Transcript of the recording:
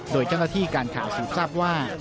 โดยเจ้าหน้าที่การข่าวสืบทราบว่า